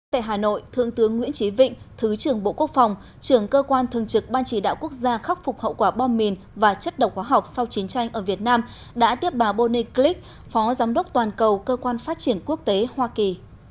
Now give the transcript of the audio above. tại hà nội thượng tướng nguyễn trí vịnh thứ trưởng bộ quốc phòng trưởng cơ quan thường trực ban chỉ đạo quốc gia khắc phục hậu quả bom mìn và chất độc hóa học sau chiến tranh ở việt nam đã tiếp bà bonnie glick phó giám đốc toàn cầu cơ quan phát triển quốc tế hoa kỳ